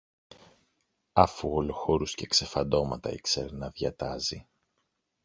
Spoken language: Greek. αφού όλο χορούς και ξεφαντώματα ήξερε να διατάζει